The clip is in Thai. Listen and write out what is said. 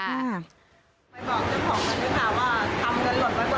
ไปบอกเจ้าของกันด้วยค่ะว่าทำเงินหลดไว้บนบนหลดนะคะ